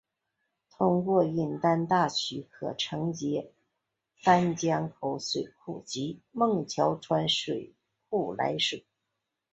通过引丹大渠可承接丹江口水库及孟桥川水库来水。